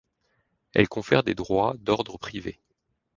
Elle confère des droits d'ordre privé.